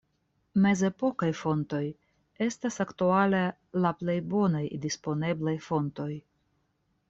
Mezepokaj fontoj estas aktuale la plej bonaj disponeblaj fontoj.